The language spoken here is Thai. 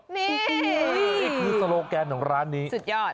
นี่คือโซโลแกนของร้านนี้